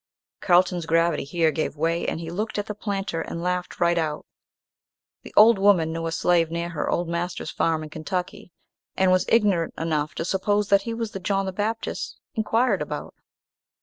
Carlton's gravity here gave way, and he looked at the planter and laughed right out. The old woman knew a slave near her old master's farm in Kentucky, and was ignorant enough to suppose that he was the John the Baptist inquired about.